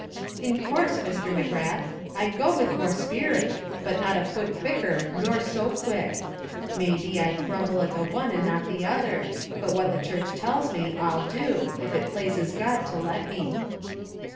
"In course, Mr. McGrath, I'd go with more sperit, but not a foot quicker, nor so quick. May be I'd grumble at the one and not at the other; but what the church tells me, I'll do, if it plazes God to let me."